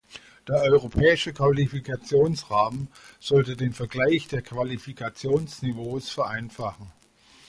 Der Europäische Qualifikationsrahmen sollte den Vergleich der Qualifikationsniveaus vereinfachen.